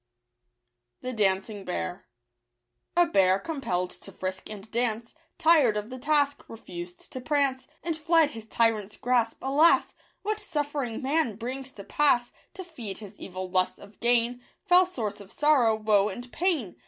®|j t dancing A bear, compelfd to frisk and dance, Tired of the task, refused to prance, And fled his tyrant's grasp. Alas ! What suffering man brings to pass To feed his evil lust of gain — Fell source of sorrow, woe, and pain